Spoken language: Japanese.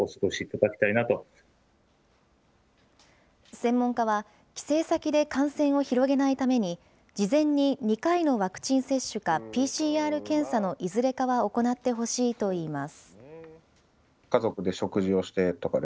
専門家は、帰省先で感染を広げないために事前に２回のワクチン接種かＰＣＲ検査のいずれかは行ってほしいといいます。